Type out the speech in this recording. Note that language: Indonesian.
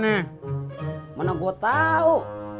kenapa gue tahu